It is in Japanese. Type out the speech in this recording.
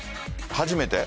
初めて。